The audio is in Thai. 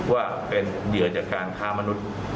ว่าเป็นเหยื่อจากการค้ามนุษย์